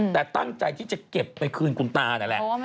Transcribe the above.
แต่ตั้งใจที่จะเก็บไปคืนคุณตานั่นแหละ